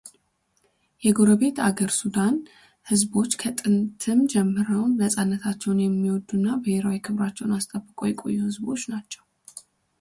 የጎረቤት አገር ሱዳን ህዝቦች ከጥንትም ጀምረው ነፃነታቸውን የሚወዱ እና ብሄራዊ ክብራቸውን አስጠብቀው የቆዩ ህዝቦች ናቸው